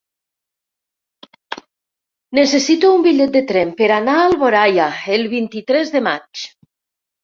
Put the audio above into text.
Necessito un bitllet de tren per anar a Alboraia el vint-i-tres de maig.